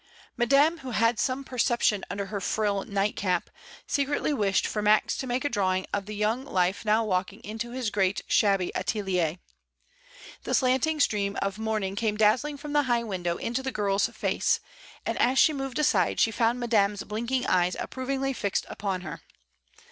Madame, who had some perception under her frill nightcap, secretly wished for Max to make a draw ing of the young Life now walking into his great shabby atelier. The slanting stream of morning came dazzling from the high window into the girl's face, and as she moved aside she found Madame's blinking eyes approvingly fixed upon her.